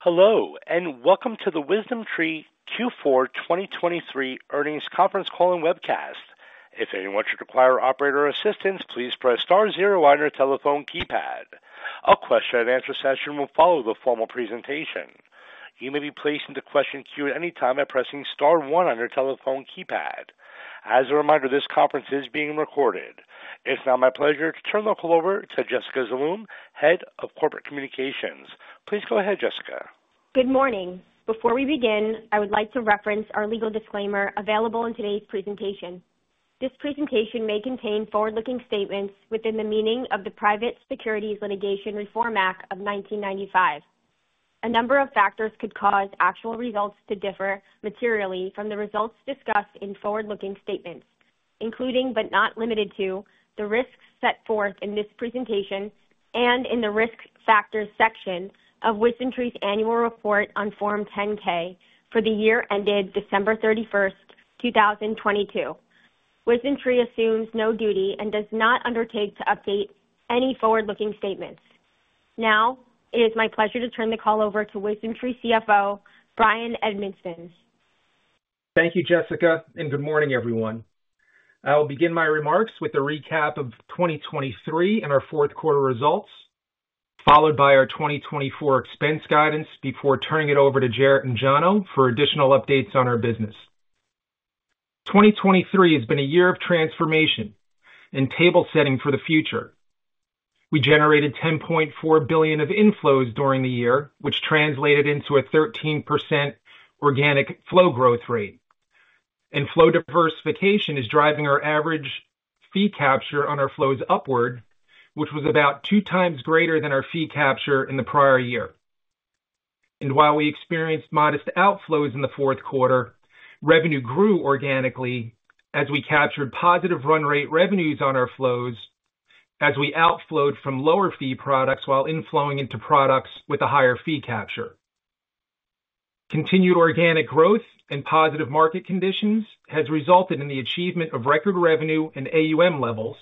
Hello, and welcome to the WisdomTree Q4 2023 Earnings Conference Call and Webcast. If anyone should require operator assistance, please press star zero on your telephone keypad. A question and answer session will follow the formal presentation. You may be placed into question queue at any time by pressing star one on your telephone keypad. As a reminder, this conference is being recorded. It's now my pleasure to turn the call over to Jessica Zaloom, Head of Corporate Communications. Please go ahead, Jessica. Good morning. Before we begin, I would like to reference our legal disclaimer available in today's presentation. This presentation may contain forward-looking statements within the meaning of the Private Securities Litigation Reform Act of 1995. A number of factors could cause actual results to differ materially from the results discussed in forward-looking statements, including, but not limited to, the risks set forth in this presentation and in the Risk Factors section of WisdomTree's annual report on Form 10-K for the year ended December 31, 2022. WisdomTree assumes no duty and does not undertake to update any forward-looking statements. Now, it is my pleasure to turn the call over to WisdomTree CFO, Bryan Edmiston. Thank you, Jessica, and good morning, everyone. I will begin my remarks with a recap of 2023 and our fourth quarter results, followed by our 2024 expense guidance before turning it over to Jarrett and Jono for additional updates on our business. 2023 has been a year of transformation and table setting for the future. We generated $10.4 billion of inflows during the year, which translated into a 13% organic flow growth rate. Flow diversification is driving our average fee capture on our flows upward, which was about 2x greater than our fee capture in the prior year. While we experienced modest outflows in the fourth quarter, revenue grew organically as we captured positive run rate revenues on our flows as we outflowed from lower fee products while inflowing into products with a higher fee capture. Continued organic growth and positive market conditions has resulted in the achievement of record revenue and AUM levels,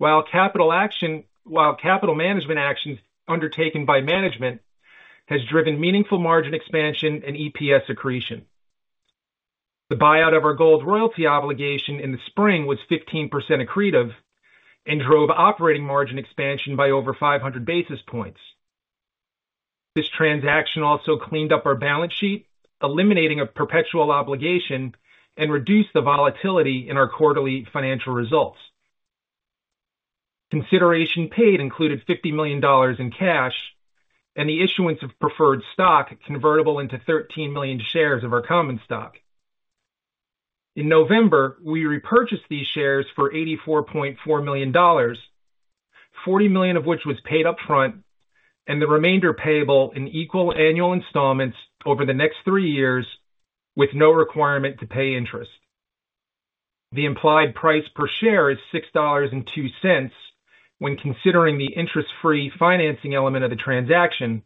while capital management actions undertaken by management has driven meaningful margin expansion and EPS accretion. The buyout of our gold royalty obligation in the spring was 15% accretive and drove operating margin expansion by over 500 basis points. This transaction also cleaned up our balance sheet, eliminating a perpetual obligation and reduced the volatility in our quarterly financial results. Consideration paid included $50 million in cash and the issuance of preferred stock, convertible into 13 million shares of our common stock. In November, we repurchased these shares for $84.4 million, $40 million of which was paid upfront, and the remainder payable in equal annual installments over the next three years, with no requirement to pay interest. The implied price per share is $6.02 when considering the interest-free financing element of the transaction,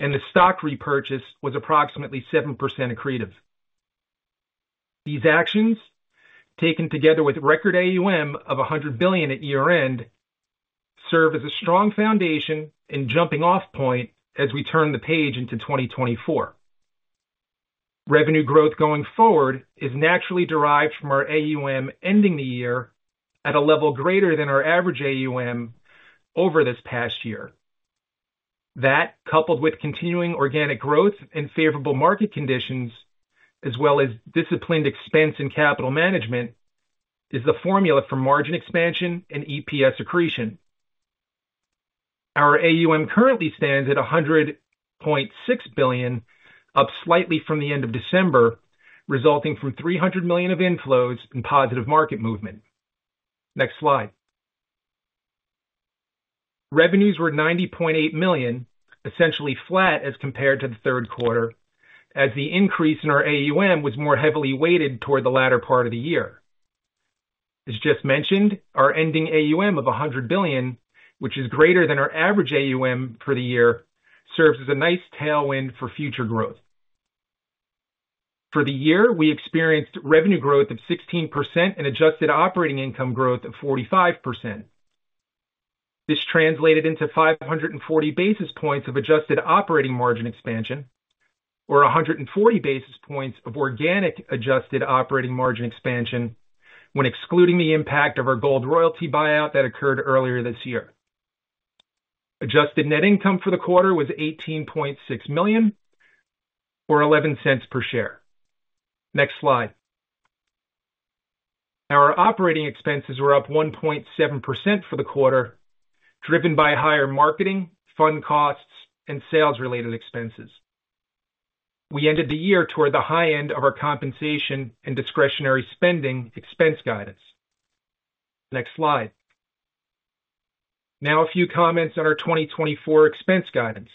and the stock repurchase was approximately 7% accretive. These actions, taken together with record AUM of $100 billion at year-end, serve as a strong foundation and jumping-off point as we turn the page into 2024. Revenue growth going forward is naturally derived from our AUM, ending the year at a level greater than our average AUM over this past year. That, coupled with continuing organic growth and favorable market conditions, as well as disciplined expense and capital management, is the formula for margin expansion and EPS accretion. Our AUM currently stands at $100.6 billion, up slightly from the end of December, resulting from $300 million of inflows and positive market movement. Next slide. Revenues were $90.8 million, essentially flat as compared to the third quarter, as the increase in our AUM was more heavily weighted toward the latter part of the year. As just mentioned, our ending AUM of $100 billion, which is greater than our average AUM for the year, serves as a nice tailwind for future growth. For the year, we experienced revenue growth of 16% and adjusted operating income growth of 45%. This translated into 540 basis points of adjusted operating margin expansion, or 140 basis points of organic adjusted operating margin expansion when excluding the impact of our gold royalty buyout that occurred earlier this year. Adjusted net income for the quarter was $18.6 million, or $0.11 per share. Next slide. Our operating expenses were up 1.7% for the quarter, driven by higher marketing, fund costs, and sales-related expenses. We ended the year toward the high end of our compensation and discretionary spending expense guidance. Next slide. Now, a few comments on our 2024 expense guidance.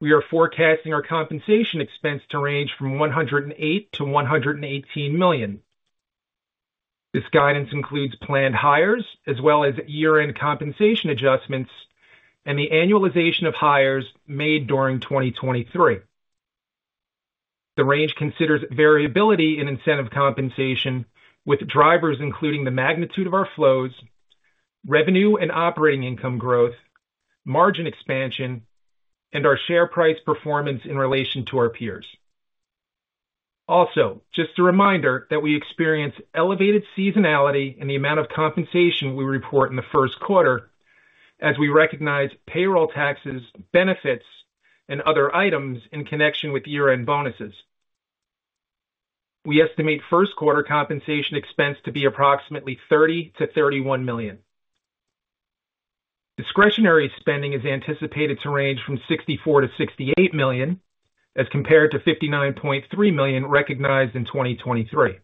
We are forecasting our compensation expense to range from $108 million-$118 million. This guidance includes planned hires, as well as year-end compensation adjustments and the annualization of hires made during 2023. The range considers variability in incentive compensation, with drivers including the magnitude of our flows, revenue and operating income growth, margin expansion, and our share price performance in relation to our peers. Also, just a reminder that we experience elevated seasonality in the amount of compensation we report in the first quarter, as we recognize payroll taxes, benefits, and other items in connection with year-end bonuses. We estimate first quarter compensation expense to be approximately $30 million-$31 million. Discretionary spending is anticipated to range from $64 million-$68 million, as compared to $59.3 million recognized in 2023.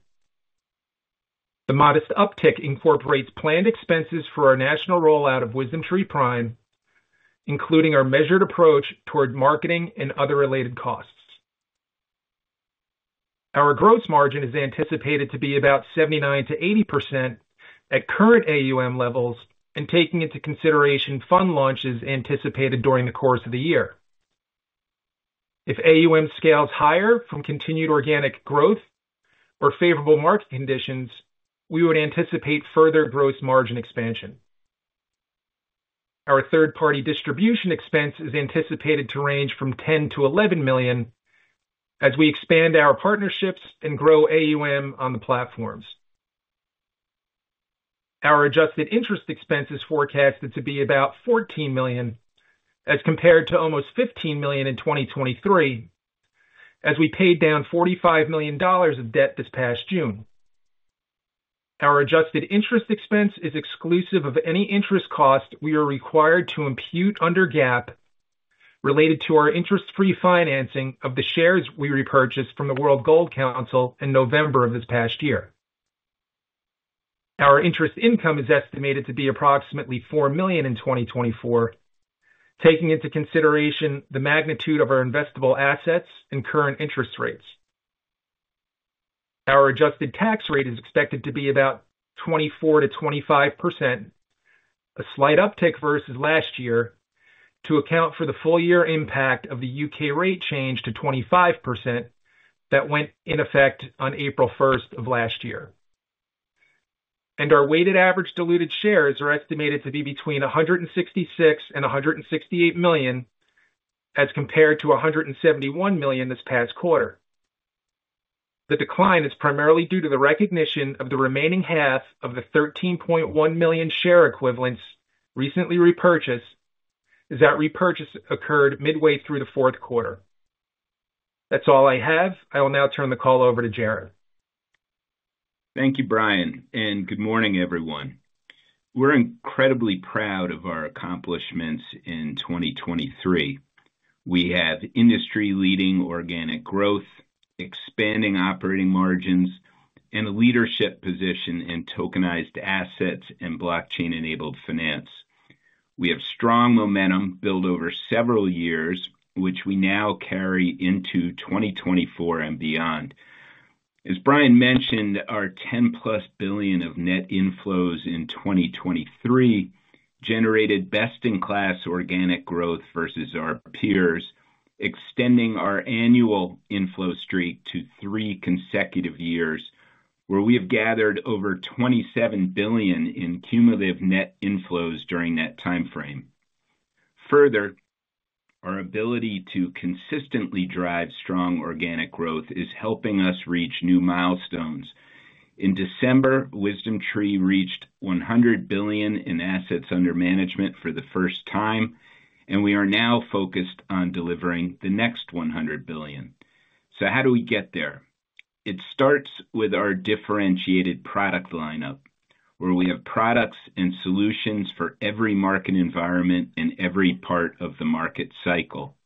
The modest uptick incorporates planned expenses for our national rollout of WisdomTree Prime, including our measured approach toward marketing and other related costs. Our gross margin is anticipated to be about 79%-80% at current AUM levels, and taking into consideration fund launches anticipated during the course of the year. If AUM scales higher from continued organic growth or favorable market conditions, we would anticipate further gross margin expansion. Our third-party distribution expense is anticipated to range from $10 million-$11 million as we expand our partnerships and grow AUM on the platforms. Our adjusted interest expense is forecasted to be about $14 million, as compared to almost $15 million in 2023, as we paid down $45 million of debt this past June. Our adjusted interest expense is exclusive of any interest cost we are required to impute under GAAP related to our interest-free financing of the shares we repurchased from the World Gold Council in November of this past year. Our interest income is estimated to be approximately $4 million in 2024, taking into consideration the magnitude of our investable assets and current interest rates. Our adjusted tax rate is expected to be about 24%-25%, a slight uptick versus last year, to account for the full year impact of the U.K. rate change to 25% that went in effect on April first of last year. Our weighted average diluted shares are estimated to be between $166 million and $168 million, as compared to $171 million this past quarter. The decline is primarily due to the recognition of the remaining half of the $13.1 million share equivalents recently repurchased, as that repurchase occurred midway through the fourth quarter. That's all I have. I will now turn the call over to Jarrett. Thank you, Bryan, and good morning, everyone. We're incredibly proud of our accomplishments in 2023. We have industry-leading organic growth, expanding operating margins, and a leadership position in tokenized assets and blockchain-enabled finance. We have strong momentum built over several years, which we now carry into 2024 and beyond. As Bryan mentioned, our $10+ billion of net inflows in 2023 generated best-in-class organic growth versus our peers, extending our annual inflow streak to three consecutive years, where we have gathered over $27 billion in cumulative net inflows during that time frame. Further, our ability to consistently drive strong organic growth is helping us reach new milestones. In December, WisdomTree reached $100 billion in assets under management for the first time, and we are now focused on delivering the next $100 billion. So how do we get there? It starts with our differentiated product lineup, where we have products and solutions for every market environment and every part of the market cycle.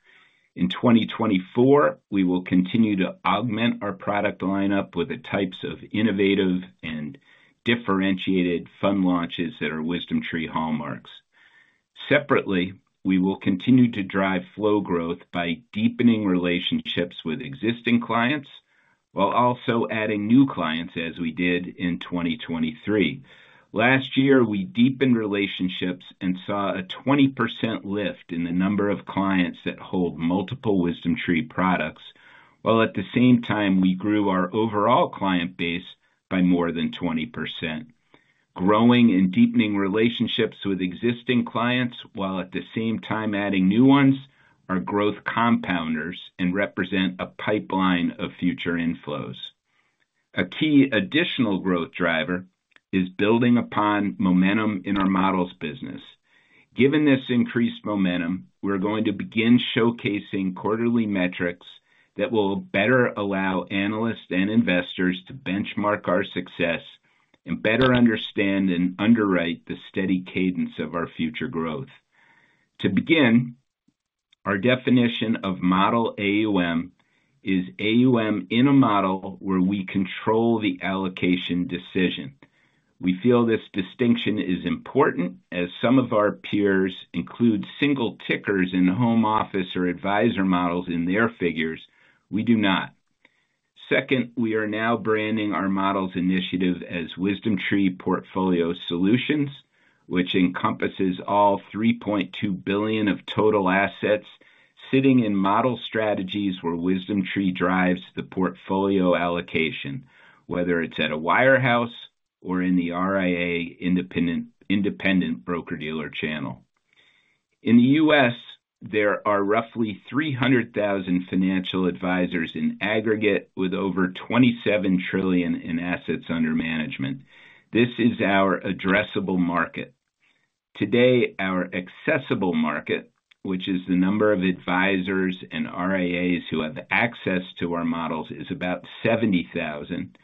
In 2024, we will continue to augment our product lineup with the types of innovative and differentiated fund launches that are WisdomTree hallmarks. Separately, we will continue to drive flow growth by deepening relationships with existing clients, while also adding new clients, as we did in 2023. Last year, we deepened relationships and saw a 20% lift in the number of clients that hold multiple WisdomTree products, while at the same time, we grew our overall client base by more than 20%. Growing and deepening relationships with existing clients, while at the same time adding new ones, are growth compounders and represent a pipeline of future inflows. A key additional growth driver is building upon momentum in our models business. Given this increased momentum, we're going to begin showcasing quarterly metrics that will better allow analysts and investors to benchmark our success and better understand and underwrite the steady cadence of our future growth. To begin, our definition of model AUM is AUM in a model where we control the allocation decision. We feel this distinction is important, as some of our peers include single tickers in home office or advisor models in their figures. We do not. Second, we are now branding our models initiative as WisdomTree Portfolio Solutions, which encompasses all $3.2 billion of total assets sitting in model strategies where WisdomTree drives the portfolio allocation, whether it's at a wirehouse or in the RIA independent, independent broker-dealer channel. In the U.S., there are roughly 300,000 financial advisors in aggregate, with over $27 trillion in assets under management. This is our addressable market. Today, our accessible market, which is the number of advisors and RIAs who have access to our models, is about 70,000,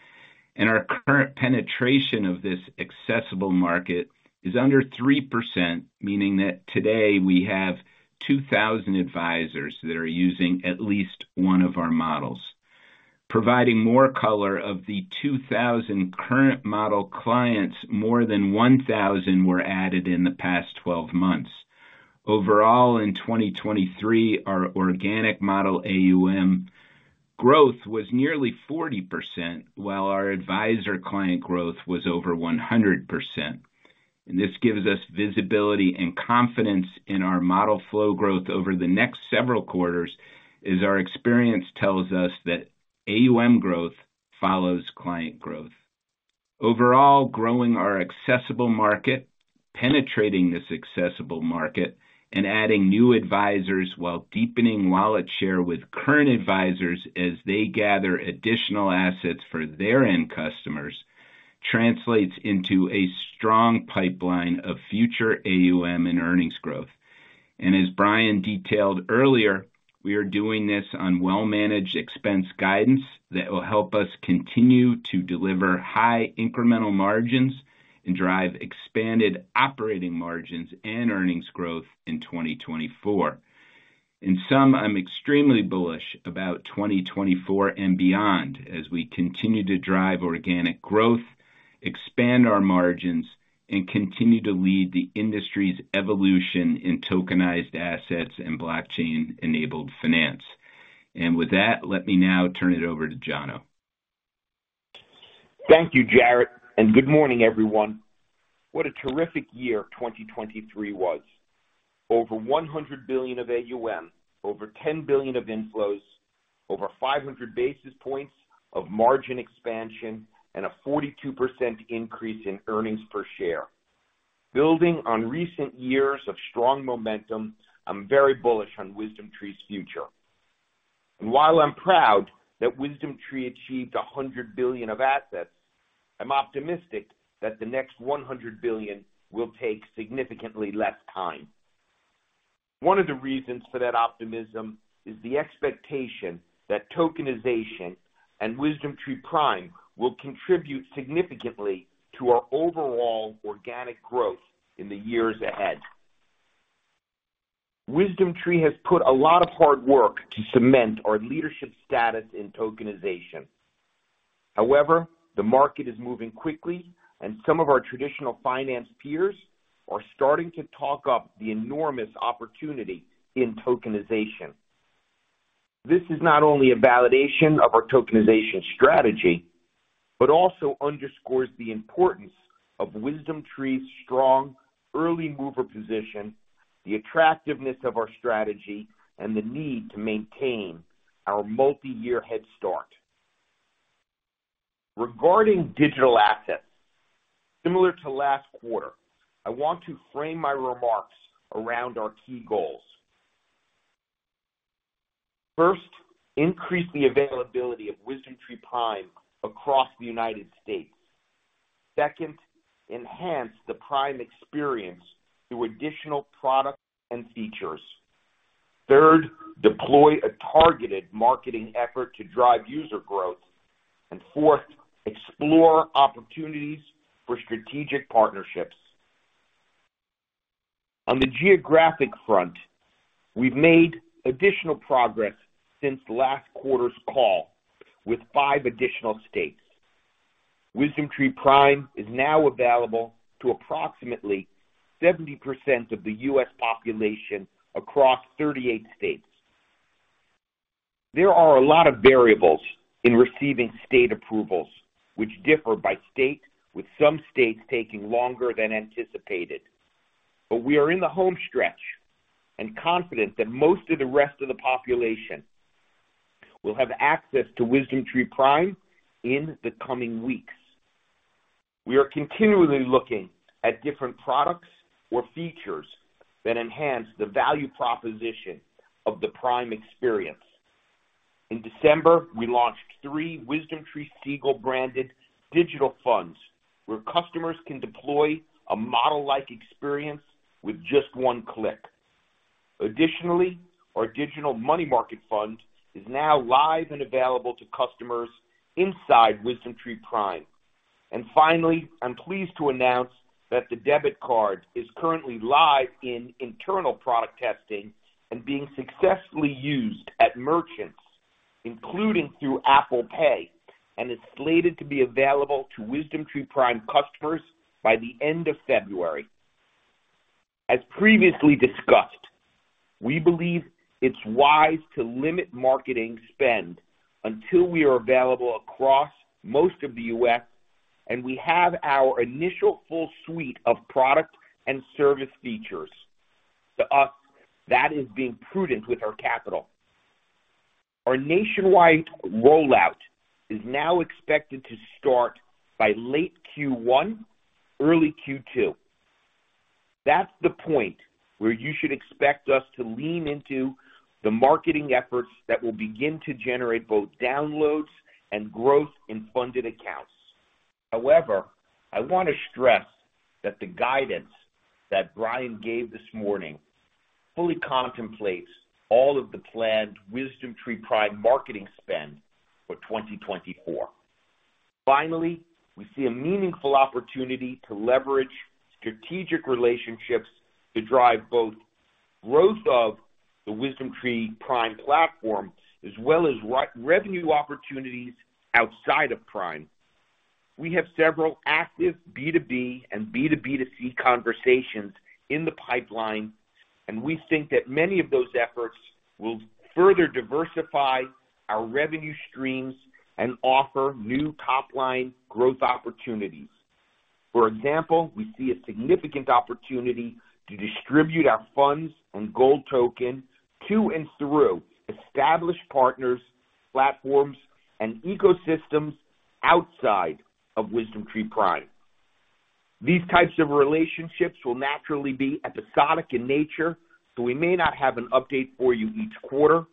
and our current penetration of this accessible market is under 3%, meaning that today we have 2,000 advisors that are using at least one of our models. Providing more color, of the 2,000 current model clients, more than 1,000 were added in the past 12 months. Overall, in 2023, our organic model AUM growth was nearly 40%, while our advisor client growth was over 100%. This gives us visibility and confidence in our model flow growth over the next several quarters, as our experience tells us that AUM growth follows client growth. Overall, growing our accessible market, penetrating this accessible market, and adding new advisors while deepening wallet share with current advisors as they gather additional assets for their end customers, translates into a strong pipeline of future AUM and earnings growth. And as Brian detailed earlier, we are doing this on well-managed expense guidance that will help us continue to deliver high incremental margins and drive expanded operating margins and earnings growth in 2024. In sum, I'm extremely bullish about 2024 and beyond as we continue to drive organic growth, expand our margins, and continue to lead the industry's evolution in tokenized assets and blockchain-enabled finance. And with that, let me now turn it over to Jono. Thank you, Jarrett, and good morning, everyone. What a terrific year 2023 was! Over $100 billion of AUM, over $10 billion of inflows, over 500 basis points of margin expansion, and a 42% increase in earnings per share. Building on recent years of strong momentum, I'm very bullish on WisdomTree's future. And while I'm proud that WisdomTree achieved $100 billion of assets, I'm optimistic that the next $100 billion will take significantly less time. One of the reasons for that optimism is the expectation that tokenization and WisdomTree Prime will contribute significantly to our overall organic growth in the years ahead. WisdomTree has put a lot of hard work to cement our leadership status in tokenization. However, the market is moving quickly, and some of our traditional finance peers are starting to talk up the enormous opportunity in tokenization. This is not only a validation of our tokenization strategy, but also underscores the importance of WisdomTree's strong early mover position, the attractiveness of our strategy, and the need to maintain our multiyear head start. Regarding digital assets, similar to last quarter, I want to frame my remarks around our key goals. First, increase the availability of WisdomTree Prime across the United States. Second, enhance the Prime experience through additional products and features. Third, deploy a targeted marketing effort to drive user growth. And fourth, explore opportunities for strategic partnerships. On the geographic front, we've made additional progress since last quarter's call with five additional states. WisdomTree Prime is now available to approximately 70% of the U.S. population across 38 states. There are a lot of variables in receiving state approvals, which differ by state, with some states taking longer than anticipated. But we are in the home stretch and confident that most of the rest of the population will have access to WisdomTree Prime in the coming weeks. We are continually looking at different products or features that enhance the value proposition of the Prime experience. In December, we launched three WisdomTree Siegel-branded digital funds, where customers can deploy a model-like experience with just one click. Additionally, our digital money market fund is now live and available to customers inside WisdomTree Prime. Finally, I'm pleased to announce that the debit card is currently live in internal product testing and being successfully used at merchants, including through Apple Pay, and is slated to be available to WisdomTree Prime customers by the end of February. As previously discussed, we believe it's wise to limit marketing spend until we are available across most of the U.S., and we have our initial full suite of product and service features. To us, that is being prudent with our capital. Our nationwide rollout is now expected to start by late Q1, early Q2. That's the point where you should expect us to lean into the marketing efforts that will begin to generate both downloads and growth in funded accounts. However, I want to stress that the guidance that Bryan gave this morning fully contemplates all of the planned WisdomTree Prime marketing spend for 2024. Finally, we see a meaningful opportunity to leverage strategic relationships to drive both growth of the WisdomTree Prime platform, as well as revenue opportunities outside of Prime. We have several active B2B and B2B2C conversations in the pipeline, and we think that many of those efforts will further diversify our revenue streams and offer new top-line growth opportunities. For example, we see a significant opportunity to distribute our funds on Gold Token to and through established partners, platforms, and ecosystems outside of WisdomTree Prime. These types of relationships will naturally be episodic in nature, so we may not have an update for you each quarter,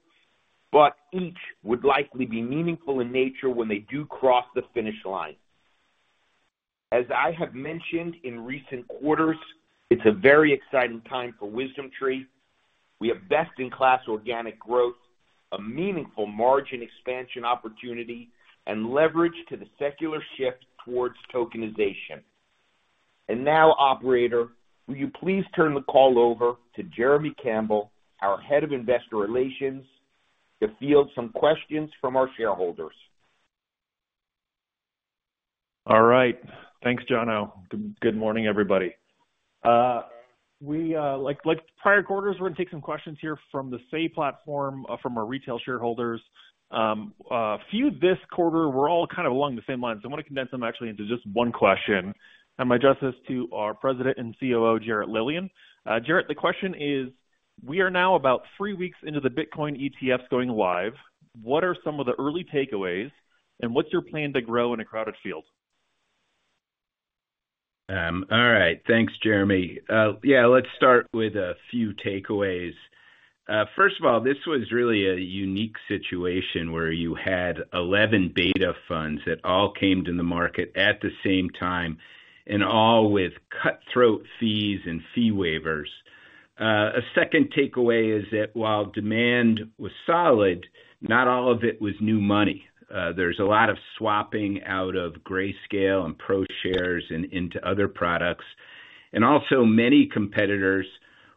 but each would likely be meaningful in nature when they do cross the finish line. As I have mentioned in recent quarters, it's a very exciting time for WisdomTree. We have best-in-class organic growth, a meaningful margin expansion opportunity, and leverage to the secular shift towards tokenization. Now, operator, will you please turn the call over to Jeremy Campbell, our Head of Investor Relations, to field some questions from our shareholders? All right. Thanks, Jono. Good, good morning, everybody. We, like prior quarters, we're gonna take some questions here from the Say platform from our retail shareholders. A few this quarter were all kind of along the same lines. I wanna condense them actually into just one question, and I address this to our President and COO, Jarrett Lilien. Jarrett, the question is: We are now about three weeks into the Bitcoin ETFs going live. What are some of the early takeaways, and what's your plan to grow in a crowded field? All right. Thanks, Jeremy. Yeah, let's start with a few takeaways. First of all, this was really a unique situation where you had 11 Bitcoin funds that all came to the market at the same time and all with cutthroat fees and fee waivers. A second takeaway is that while demand was solid, not all of it was new money. There's a lot of swapping out of Grayscale and ProShares and into other products. And also, many competitors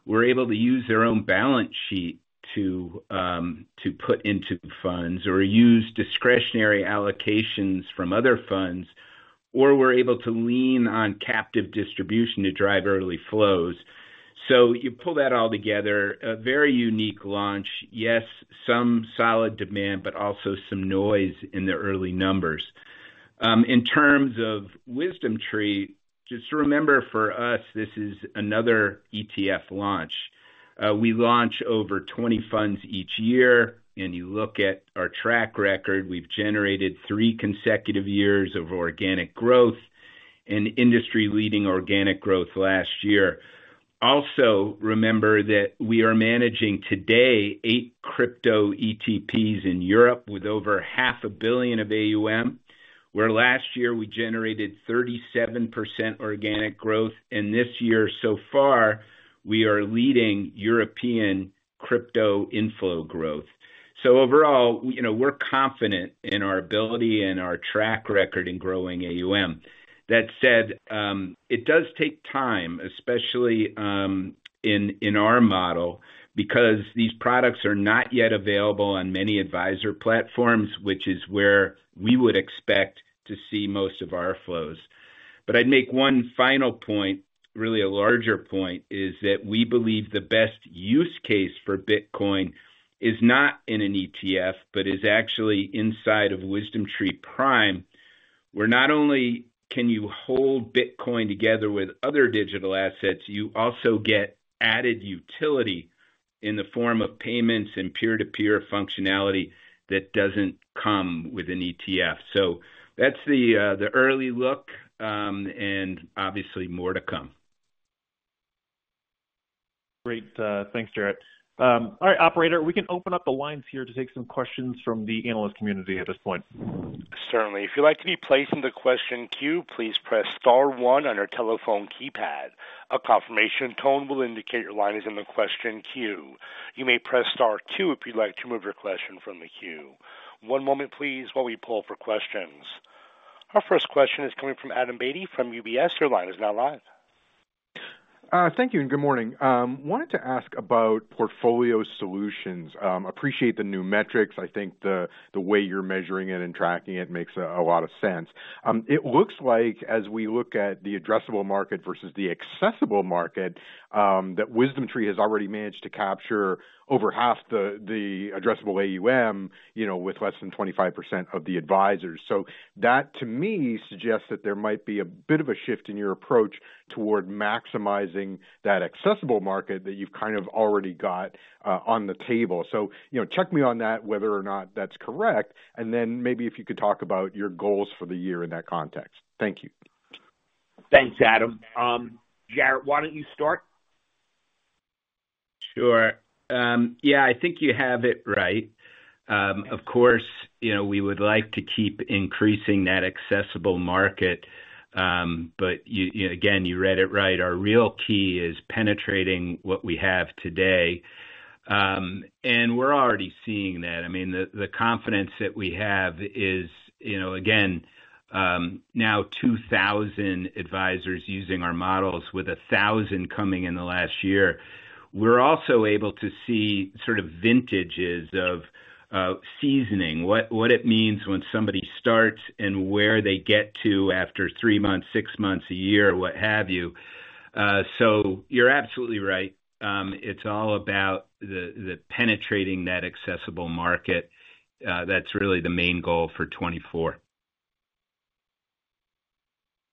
were able to use their own balance sheet to put into funds or use discretionary allocations from other funds, or were able to lean on captive distribution to drive early flows. So you pull that all together, a very unique launch. Yes, some solid demand, but also some noise in the early numbers. In terms of WisdomTree, just remember, for us, this is another ETF launch. We launch over 20 funds each year, and you look at our track record, we've generated three consecutive years of organic growth and industry-leading organic growth last year. Also, remember that we are managing today eight crypto ETPs in Europe with over $500 billion of AUM, where last year we generated 37% organic growth, and this year, so far, we are leading European crypto inflow growth. So overall, you know, we're confident in our ability and our track record in growing AUM. That said, it does take time, especially in our model, because these products are not yet available on many advisor platforms, which is where we would expect to see most of our flows. But I'd make one final point. Really, a larger point, is that we believe the best use case for Bitcoin is not in an ETF, but is actually inside of WisdomTree Prime, where not only can you hold Bitcoin together with other digital assets, you also get added utility in the form of payments and peer-to-peer functionality that doesn't come with an ETF. So that's the early look, and obviously more to come. Great. Thanks, Jarrett. All right, operator, we can open up the lines here to take some questions from the analyst community at this point. Certainly. If you'd like to be placed in the question queue, please press star one on your telephone keypad. A confirmation tone will indicate your line is in the question queue. You may press star two if you'd like to remove your question from the queue. One moment, please, while we poll for questions. Our first question is coming from Adam Beatty from UBS. Your line is now live. Thank you, and good morning. I wanted to ask about Portfolio Solutions. I appreciate the new metrics. I think the way you're measuring it and tracking it makes a lot of sense. It looks like as we look at the addressable market versus the accessible market, that WisdomTree has already managed to capture over half the addressable AUM, you know, with less than 25% of the advisors. So that, to me, suggests that there might be a bit of a shift in your approach toward maximizing that accessible market that you've kind of already got on the table. So, you know, check me on that, whether or not that's correct, and then maybe if you could talk about your goals for the year in that context. Thank you. Thanks, Adam. Jarrett, why don't you start? Sure. Yeah, I think you have it right. Of course, you know, we would like to keep increasing that accessible market. But you know, again, you read it right. Our real key is penetrating what we have today. And we're already seeing that. I mean, the confidence that we have is, you know, again, now 2,000 advisors using our models with 1,000 coming in the last year. We're also able to see sort of vintages of seasoning, what it means when somebody starts and where they get to after three months, six months, a year, what have you. So you're absolutely right. It's all about the penetrating that accessible market. That's really the main goal for 2024.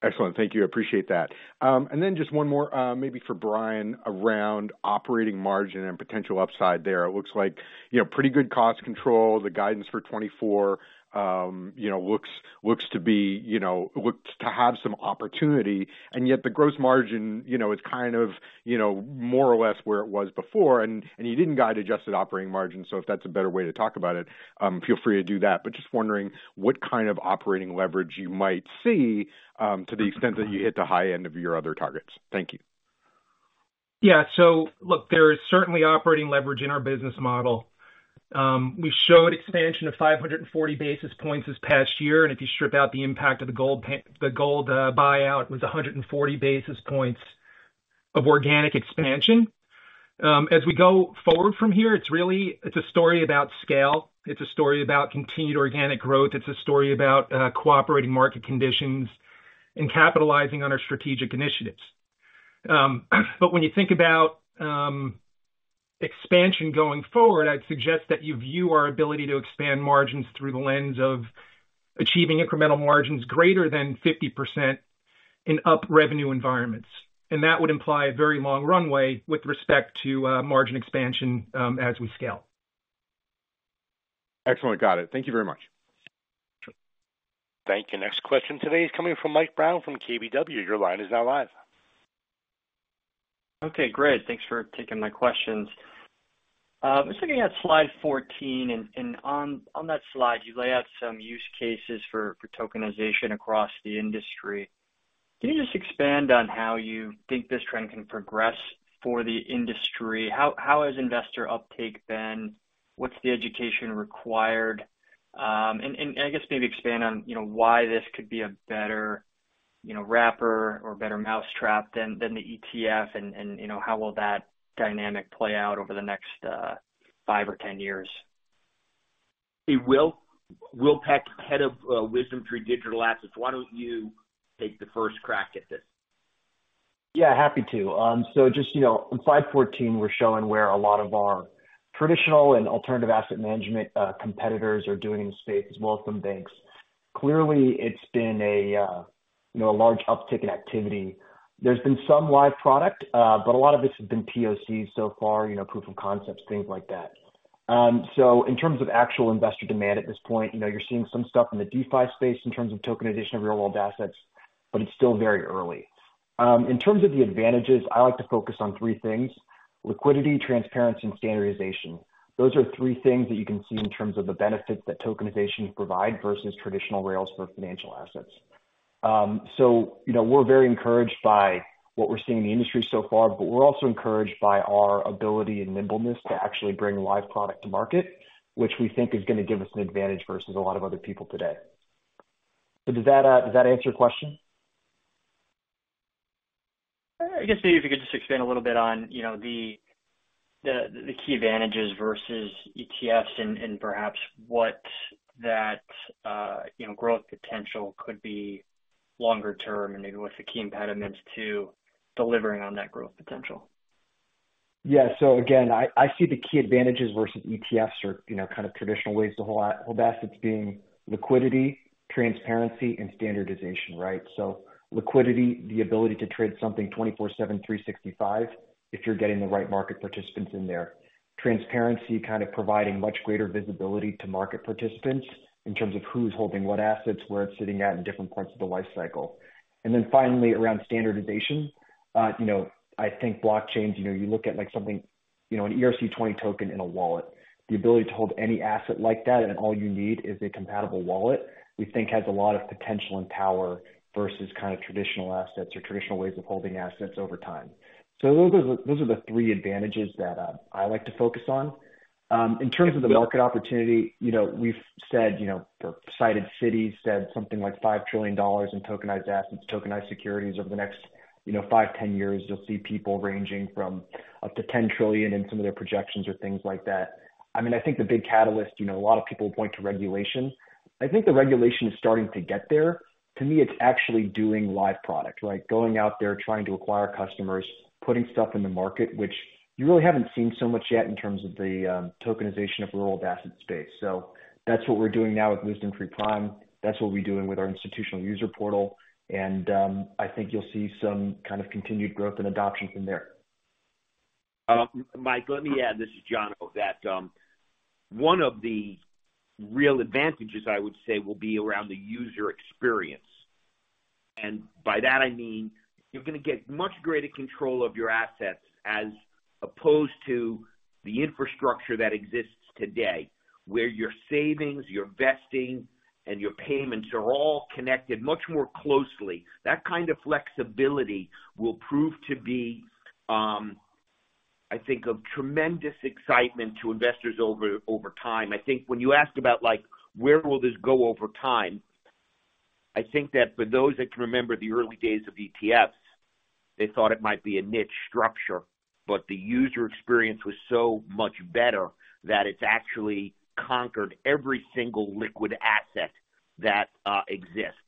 Excellent. Thank you. I appreciate that. And then just one more, maybe for Bryan, around operating margin and potential upside there. It looks like, you know, pretty good cost control. The guidance for 2024, you know, looks to be, you know, looks to have some opportunity, and yet the gross margin, you know, is kind of, you know, more or less where it was before, and you didn't guide adjusted operating margins. So if that's a better way to talk about it, feel free to do that. But just wondering what kind of operating leverage you might see, to the extent that you hit the high end of your other targets. Thank you. Yeah. So look, there is certainly operating leverage in our business model. We showed expansion of 500 basis points this past year, and if you strip out the impact of the gold buyout, it was 140 basis points of organic expansion. As we go forward from here, it's really, it's a story about scale. It's a story about continued organic growth. It's a story about cooperating market conditions and capitalizing on our strategic initiatives. But when you think about expansion going forward, I'd suggest that you view our ability to expand margins through the lens of achieving incremental margins greater than 50% in up revenue environments. And that would imply a very long runway with respect to margin expansion, as we scale. Excellent. Got it. Thank you very much. Thank you. Next question today is coming from Mike Brown from KBW. Your line is now live. Okay, great. Thanks for taking my questions. I was looking at slide 14, and on that slide, you lay out some use cases for tokenization across the industry. Can you just expand on how you think this trend can progress for the industry? How has investor uptake been? What's the education required? And I guess maybe expand on, you know, why this could be a better, you know, wrapper or better mousetrap than the ETF, and, you know, how will that dynamic play out over the next five or 10 years? Hey, Will. Will Peck, Head of WisdomTree Digital Assets, why don't you take the first crack at this? Yeah, happy to. So just, you know, on slide 14, we're showing where a lot of our traditional and alternative asset management competitors are doing in the space, as well as some banks. Clearly, it's been, you know, a large uptick in activity. There's been some live product, but a lot of it has been POC so far, you know, proof of concepts, things like that. So in terms of actual investor demand at this point, you know, you're seeing some stuff in the DeFi space in terms of tokenization of real-world assets, but it's still very early. In terms of the advantages, I like to focus on three things: liquidity, transparency, and standardization. Those are three things that you can see in terms of the benefits that tokenization provide versus traditional rails for financial assets. So, you know, we're very encouraged by what we're seeing in the industry so far, but we're also encouraged by our ability and nimbleness to actually bring live product to market, which we think is going to give us an advantage versus a lot of other people today. So does that, does that answer your question? I guess maybe if you could just expand a little bit on, you know, the key advantages versus ETFs and perhaps what that, you know, growth potential could be longer term, and maybe what's the key impediments to delivering on that growth potential? Yeah. So again, I see the key advantages versus ETFs are, you know, kind of traditional ways to hold hold assets being liquidity, transparency, and standardization, right? So liquidity, the ability to trade something 24/7/365, if you're getting the right market participants in there. Transparency, kind of providing much greater visibility to market participants in terms of who's holding what assets, where it's sitting at in different parts of the life cycle. And then finally, around standardization, you know, I think blockchains, you know, you look at, like, something you know, an ERC-20 token in a wallet. The ability to hold any asset like that, and all you need is a compatible wallet, we think has a lot of potential and power versus kind of traditional assets or traditional ways of holding assets over time. So those are, those are the three advantages that I like to focus on. In terms of the market opportunity, you know, we've said, you know, or cited Citi's, said something like $5 trillion in tokenized assets, tokenized securities over the next, you know, five-10 years. You'll see people ranging from up to $10 trillion in some of their projections or things like that. I mean, I think the big catalyst, you know, a lot of people point to regulation. I think the regulation is starting to get there. To me, it's actually doing live product, like going out there, trying to acquire customers, putting stuff in the market, which you really haven't seen so much yet in terms of the tokenization of the real-world asset space. So that's what we're doing now with WisdomTree Prime. That's what we're doing with our institutional user portal. I think you'll see some kind of continued growth and adoption from there. Mike, let me add, this is Jono, that one of the real advantages, I would say, will be around the user experience. And by that I mean, you're going to get much greater control of your assets as opposed to the infrastructure that exists today, where your savings, your vesting, and your payments are all connected much more closely. That kind of flexibility will prove to be, I think, of tremendous excitement to investors over time. I think when you asked about, like, where will this go over time? I think that for those that can remember the early days of ETFs, they thought it might be a niche structure, but the user experience was so much better that it's actually conquered every single liquid asset that exists.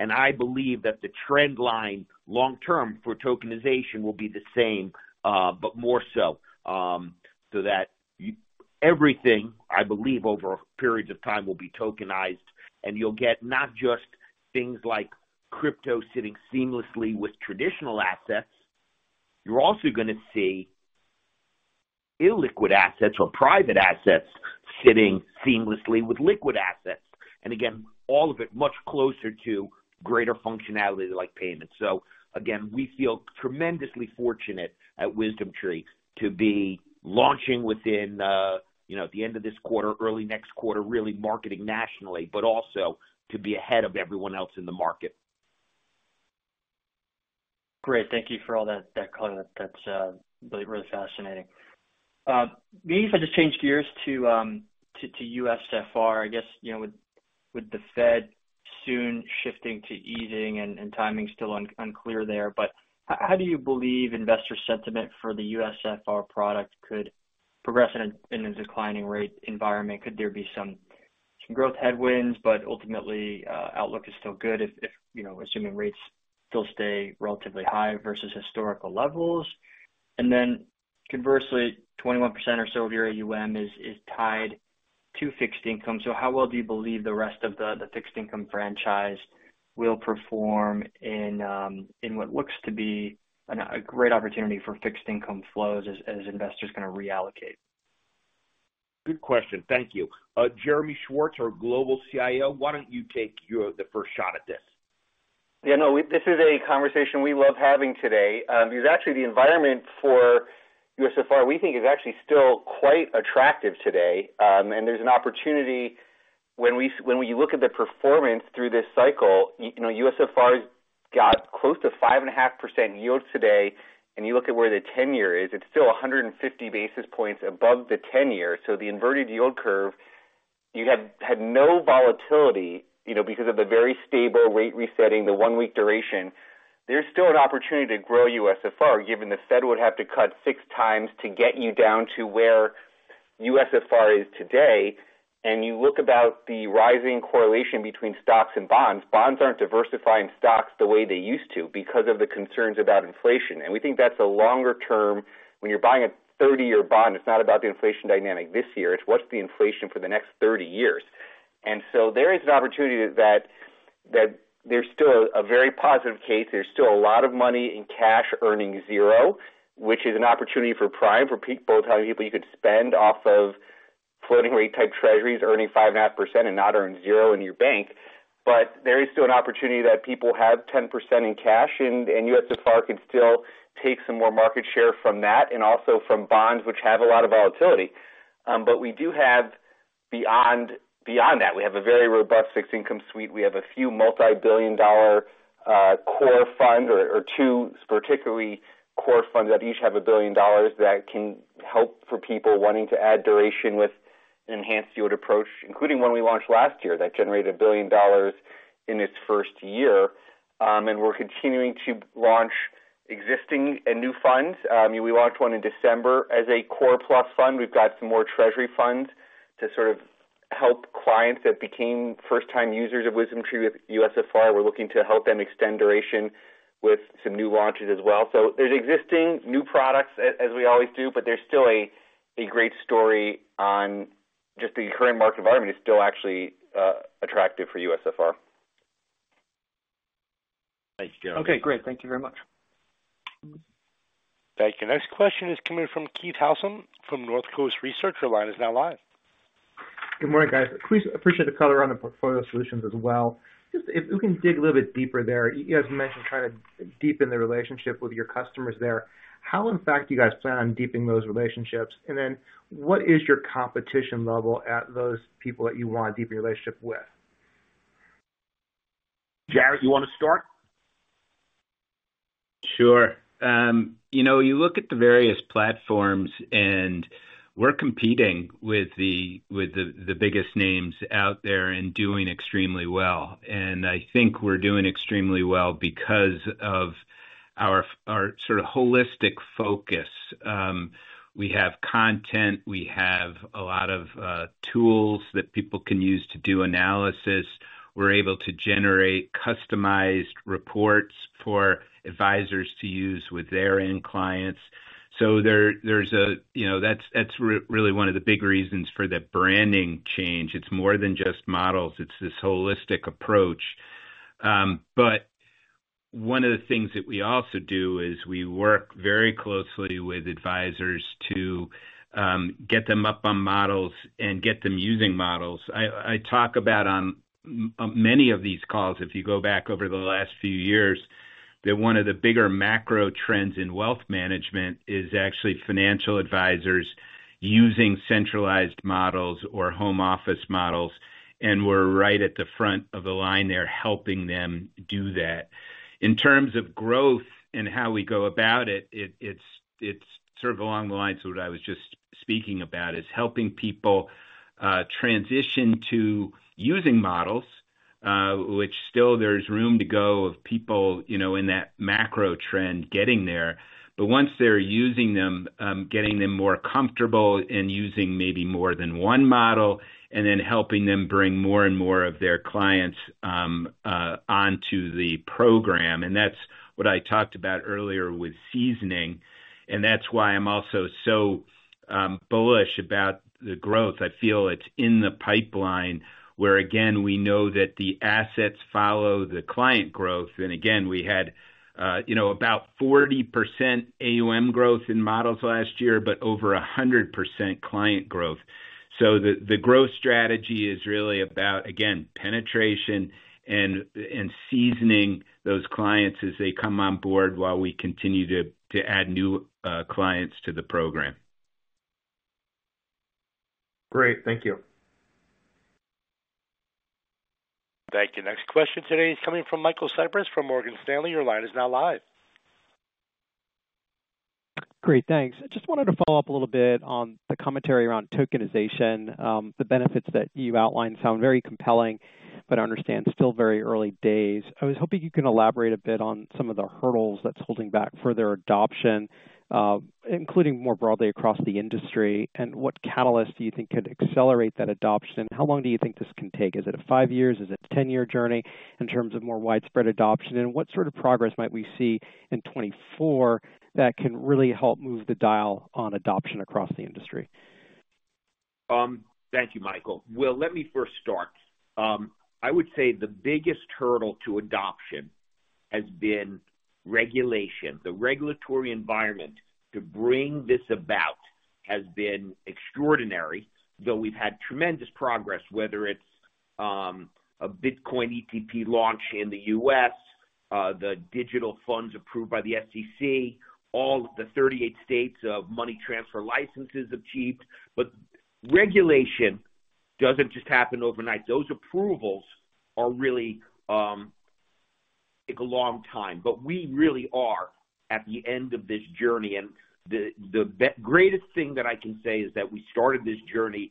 And I believe that the trend line, long term for tokenization will be the same, but more so. So that everything, I believe, over periods of time, will be tokenized, and you'll get not just things like crypto sitting seamlessly with traditional assets. You're also going to see illiquid assets or private assets sitting seamlessly with liquid assets. And again, all of it much closer to greater functionality like payments. So again, we feel tremendously fortunate at WisdomTree to be launching within, you know, at the end of this quarter, early next quarter, really marketing nationally, but also to be ahead of everyone else in the market. Great. Thank you for all that, that color. That's really, really fascinating. Maybe if I just changed gears to USFR, I guess, you know, with the Fed soon shifting to easing and timing still unclear there, but how do you believe investor sentiment for the USFR product could progress in a declining rate environment? Could there be some growth headwinds, but ultimately, outlook is still good if, you know, assuming rates still stay relatively high versus historical levels? And then conversely, 21% or so of your AUM is tied to fixed income. So how well do you believe the rest of the fixed income franchise will perform in what looks to be a great opportunity for fixed income flows as investors kind of reallocate? Good question. Thank you. Jeremy Schwartz, our Global CIO, why don't you take your... the first shot at this? Yeah, no, this is a conversation we love having today. Because actually the environment for USFR, we think, is actually still quite attractive today. And there's an opportunity when we look at the performance through this cycle, you know, USFR's got close to 5.5% yield today, and you look at where the 10-year is, it's still 150 basis points above the 10-year. So the inverted yield curve you had no volatility, you know, because of the very stable rate resetting, the one-week duration. There's still an opportunity to grow USFR, given the Fed would have to cut six times to get you down to where USFR is today. And you look about the rising correlation between stocks and bonds. Bonds aren't diversifying stocks the way they used to because of the concerns about inflation, and we think that's a longer term. When you're buying a 30-year bond, it's not about the inflation dynamic this year, it's what's the inflation for the next 30 years. And so there is an opportunity that there's still a very positive case. There's still a lot of money in cash earning 0%, which is an opportunity for Prime, for people, telling people you could spend off of floating rate-type treasuries, earning 5.5% and not earn 0% in your bank. But there is still an opportunity that people have 10% in cash, and USFR can still take some more market share from that and also from bonds, which have a lot of volatility. But we do have beyond that, we have a very robust fixed income suite. We have a few multi-billion dollar core funds, two particularly core funds that each have $1 billion, that can help for people wanting to add duration with an enhanced yield approach, including one we launched last year that generated $1 billion in its first year. And we're continuing to launch existing and new funds. I mean, we launched one in December as a core plus fund. We've got some more treasury funds to sort of help clients that became first-time users of WisdomTree with USFR. We're looking to help them extend duration with some new launches as well. So there's existing new products, as we always do, but there's still a great story on just the current market environment is still actually attractive for USFR. Thank you, Jeremy. Okay, great. Thank you very much. Thank you. Next question is coming from Keith Housum from Northcoast Research. Your line is now live. Good morning, guys. Appreciate the color on the portfolio solutions as well. Just if you can dig a little bit deeper there, you guys mentioned kind of deepen the relationship with your customers there. How, in fact, do you guys plan on deepening those relationships? And then what is your competition level at those people that you want to deepen your relationship with? Jarrett, you want to start? Sure. You know, you look at the various platforms, and we're competing with the biggest names out there and doing extremely well. And I think we're doing extremely well because of our sort of holistic focus. We have content. We have a lot of tools that people can use to do analysis. We're able to generate customized reports for advisors to use with their end clients. So there's a. You know, that's really one of the big reasons for the branding change. It's more than just models. It's this holistic approach. But one of the things that we also do is we work very closely with advisors to get them up on models and get them using models. I talk about on many of these calls, if you go back over the last few years, that one of the bigger macro trends in wealth management is actually financial advisors using centralized models or home office models, and we're right at the front of the line there, helping them do that. In terms of growth and how we go about it, it's sort of along the lines of what I was just speaking about, is helping people transition to using models, which still there's room to go of people, you know, in that macro trend getting there. But once they're using them, getting them more comfortable and using maybe more than one model, and then helping them bring more and more of their clients onto the program. That's what I talked about earlier with seasoning, and that's why I'm also so bullish about the growth. I feel it's in the pipeline, where, again, we know that the assets follow the client growth. And again, we had, you know, about 40% AUM growth in models last year, but over 100% client growth. So the growth strategy is really about, again, penetration and seasoning those clients as they come on board, while we continue to add new clients to the program. Great. Thank you. Thank you. Next question today is coming from Michael Cyprys from Morgan Stanley. Your line is now live. Great, thanks. I just wanted to follow up a little bit on the commentary around tokenization. The benefits that you outlined sound very compelling, but I understand it's still very early days. I was hoping you can elaborate a bit on some of the hurdles that's holding back further adoption, including more broadly across the industry, and what catalyst do you think could accelerate that adoption? How long do you think this can take? Is it a five years? Is it a ten-year journey in terms of more widespread adoption, and what sort of progress might we see in 2024 that can really help move the dial on adoption across the industry? Thank you, Michael. Well, let me first start. I would say the biggest hurdle to adoption has been regulation. The regulatory environment to bring this about has been extraordinary, though we've had tremendous progress, whether it's, a Bitcoin ETP launch in the U.S., the digital funds approved by the SEC, all the 38 states of money transfer licenses achieved. But regulation doesn't just happen overnight. Those approvals are really take a long time, but we really are at the end of this journey, and the greatest thing that I can say is that we started this journey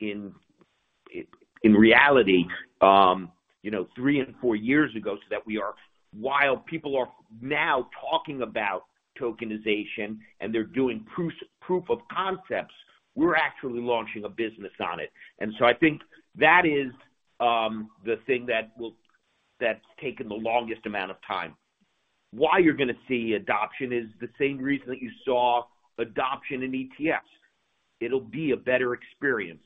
in reality, you know, three and four years ago, so that we are... While people are now talking about tokenization, and they're doing proof of concepts, we're actually launching a business on it. I think that is the thing that's taken the longest amount of time. Why you're going to see adoption is the same reason that you saw adoption in ETFs. It'll be a better experience,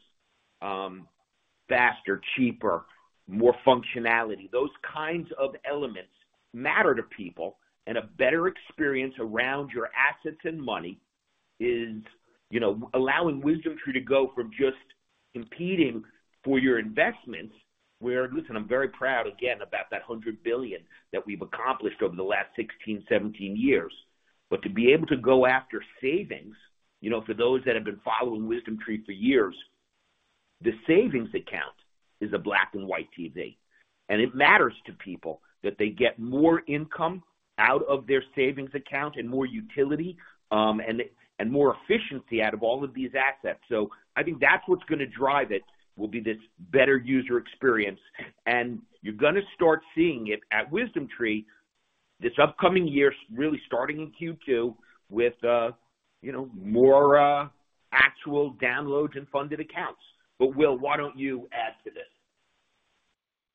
faster, cheaper, more functionality. Those kinds of elements matter to people, and a better experience around your assets and money is, you know, allowing WisdomTree to go from just competing for your investments, where. Listen, I'm very proud, again, about that $100 billion that we've accomplished over the last 16, 17 years. But to be able to go after savings, you know, for those that have been following WisdomTree for years, the savings account is a black and white TV, and it matters to people that they get more income out of their savings account and more utility, and more efficiency out of all of these assets. So I think that's what's going to drive it, will be this better user experience, and you're going to start seeing it at WisdomTree this upcoming year, really starting in Q2 with, you know, more actual downloads and funded accounts. But Will, why don't you add to this?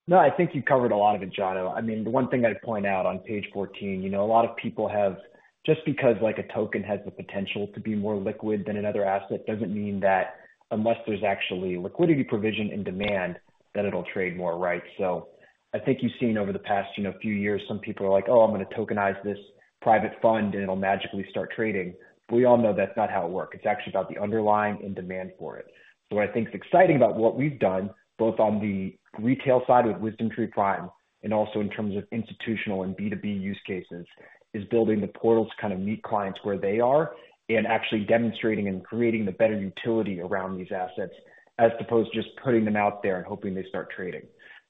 No, I think you covered a lot of it, Jono. I mean, the one thing I'd point out on page 14, you know, a lot of people have, just because, like, a token has the potential to be more liquid than another asset, doesn't mean that unless there's actually liquidity, provision, and demand, that it'll trade more, right? So I think you've seen over the past, you know, few years, some people are like, "Oh, I'm gonna tokenize this private fund, and it'll magically start trading." But we all know that's not how it works. It's actually about the underlying and demand for it. So what I think is exciting about what we've done, both on the retail side with WisdomTree Prime, and also in terms of institutional and B2B use cases, is building the portal to kind of meet clients where they are and actually demonstrating and creating the better utility around these assets, as opposed to just putting them out there and hoping they start trading.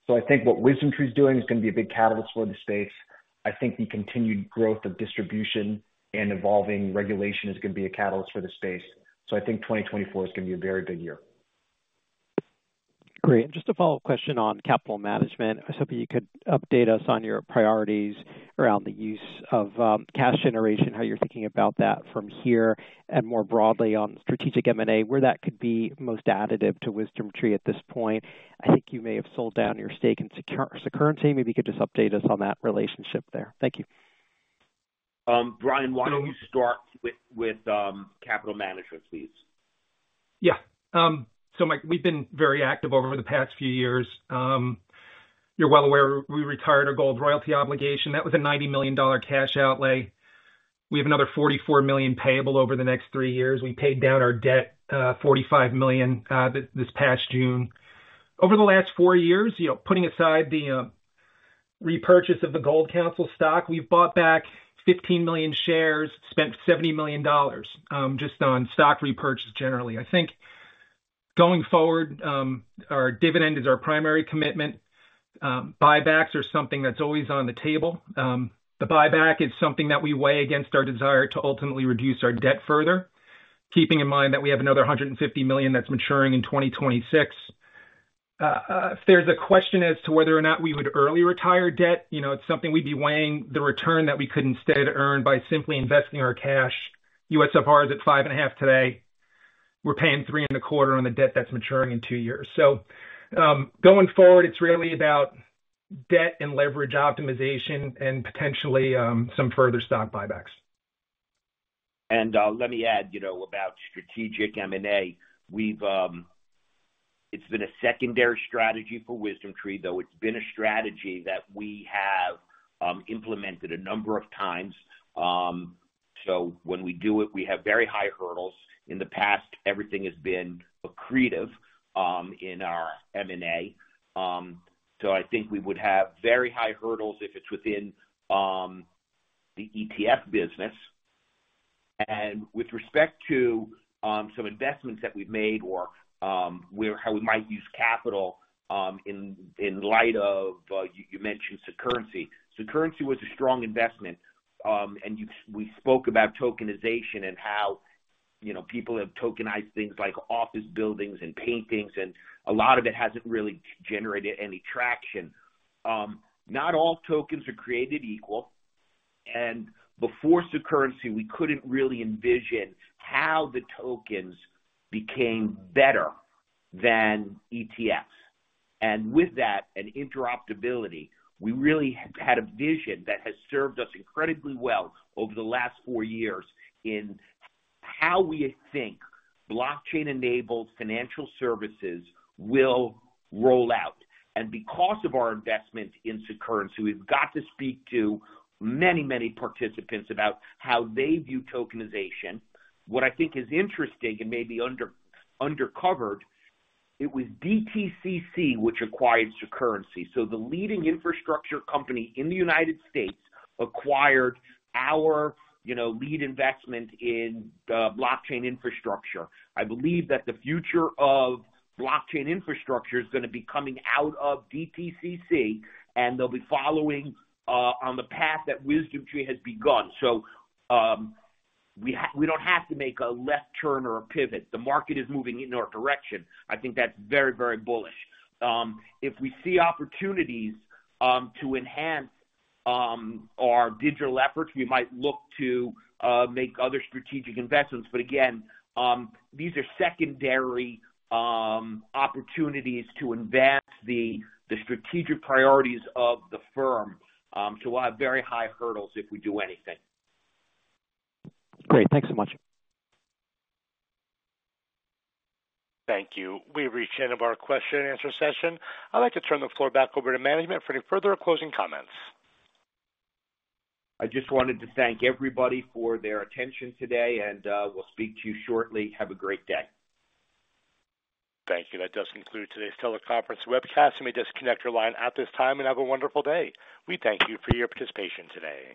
So I think what WisdomTree is doing is gonna be a big catalyst for the space. I think the continued growth of distribution and evolving regulation is gonna be a catalyst for the space. So I think 2024 is gonna be a very good year. Great. Just a follow-up question on capital management. I was hoping you could update us on your priorities around the use of cash generation, how you're thinking about that from here, and more broadly, on strategic M&A, where that could be most additive to WisdomTree at this point. I think you may have sold down your stake in Securrency. Maybe you could just update us on that relationship there. Thank you. Bryan, why don't you start with capital management, please? Yeah. So, Mike, we've been very active over the past few years. You're well aware, we retired our gold royalty obligation. That was a $90 million cash outlay. We have another $44 million payable over the next three years. We paid down our debt $45 million this past June. Over the last four years, you know, putting aside the repurchase of the World Gold Council stock, we've bought back 15 million shares, spent $70 million just on stock repurchase generally. I think going forward, our dividend is our primary commitment. Buybacks are something that's always on the table. The buyback is something that we weigh against our desire to ultimately reduce our debt further, keeping in mind that we have another $150 million that's maturing in 2026. If there's a question as to whether or not we would early retire debt, you know, it's something we'd be weighing the return that we could instead earn by simply investing our cash. USFR is at 5.5% today. We're paying 3.25% on the debt that's maturing in two years. So, going forward, it's really about debt and leverage optimization and potentially, some further stock buybacks. Let me add, you know, about strategic M&A. We've. It's been a secondary strategy for WisdomTree, though it's been a strategy that we have implemented a number of times. When we do it, we have very high hurdles. In the past, everything has been accretive in our M&A. I think we would have very high hurdles if it's within the ETF business. With respect to some investments that we've made or how we might use capital in light of you mentioned Securrency. Securrency was a strong investment, and we spoke about tokenization and how, you know, people have tokenized things like office buildings and paintings, and a lot of it hasn't really generated any traction. Not all tokens are created equal, and before Securrency, we couldn't really envision how the tokens became better than ETFs. And with that and interoperability, we really had a vision that has served us incredibly well over the last four years in how we think blockchain-enabled financial services will roll out. And because of our investment in Securrency, we've got to speak to many, many participants about how they view tokenization. What I think is interesting and maybe undercovered, it was DTCC, which acquired Securrency. So the leading infrastructure company in the United States acquired our, you know, lead investment in blockchain infrastructure. I believe that the future of blockchain infrastructure is gonna be coming out of DTCC, and they'll be following on the path that WisdomTree has begun. So, we don't have to make a left turn or a pivot. The market is moving in our direction. I think that's very, very bullish. If we see opportunities to enhance our digital efforts, we might look to make other strategic investments. But again, these are secondary opportunities to advance the strategic priorities of the firm, so we'll have very high hurdles if we do anything. Great. Thanks so much. Thank you. We've reached the end of our question and answer session. I'd like to turn the floor back over to management for any further closing comments. I just wanted to thank everybody for their attention today, and we'll speak to you shortly. Have a great day. Thank you. That does conclude today's teleconference webcast. You may disconnect your line at this time and have a wonderful day. We thank you for your participation today.